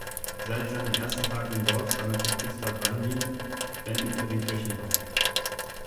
Seit seinem ersten Tag im Dorf sammelte Priester Vahnjin Spenden für den Kirchenbau.